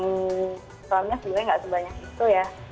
selamanya sebenarnya nggak sebanyak itu ya